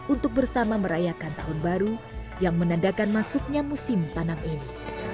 untuk bersama merayakan tahun baru yang menandakan masuknya musim tanam ini